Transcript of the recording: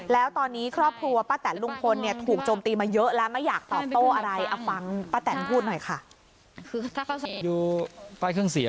แล้วตอนนี้ครอบครัวป้าแตนลุงพลเนี่ยถูกโจมตีมาเยอะแล้วไม่อยากตอบโต้อะไร